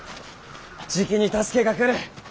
じきに助けが来る。